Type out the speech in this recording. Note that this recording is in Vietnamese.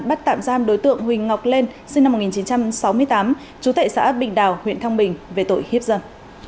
bắt tạm giam đối tượng huỳnh ngọc lên sinh năm một nghìn chín trăm sáu mươi tám chú tệ xã bình đào huyện thăng bình về tội hiếp dâm